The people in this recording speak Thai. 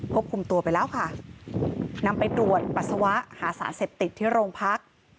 ควบคุมตัวไปแล้วค่ะนำไปตรวจปัสสาวะหาสารเสพติดที่โรงพัก